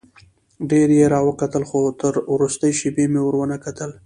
ډېر یې راوکتل خو تر وروستۍ شېبې مې ور ونه کتل.